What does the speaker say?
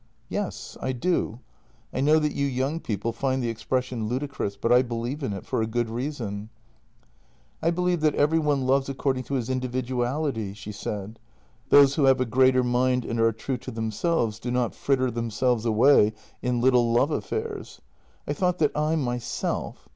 "" Yes, I do. I know that you young people find the ex pression ludicrous, but I believe in it — for a good reason." " I believe that every one loves according to his individuality; those who have a greater mind and are true to themselves do not fritter themselves away in little love affairs. I thought that I myself.